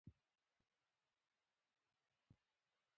د سترګو ساتنه وکړئ.